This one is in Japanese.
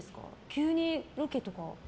急にロケとか？